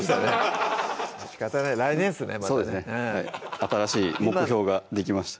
新しい目標ができました